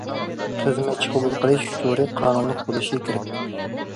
خىزمەتچى قوبۇل قىلىش ئۇچۇرى قانۇنلۇق بولۇشى كېرەك.